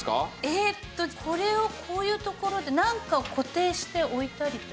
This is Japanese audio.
えっとこれをこういう所でなんかを固定して置いたりとか。